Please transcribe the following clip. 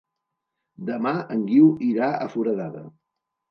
Demà en Guiu irà a Foradada.